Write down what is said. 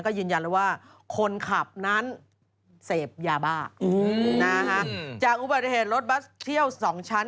ก็ยืนยันแล้วว่าคนขับนั้นเสพยาบ้าจากอุบัติเหตุรถบัสเที่ยว๒ชั้น